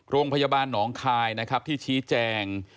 โรงพยาบาลหนองคายนะครับที่ชี้แจง